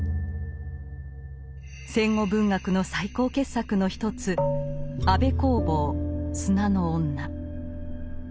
戦後文学の最高傑作の一つ安部公房「砂の女」。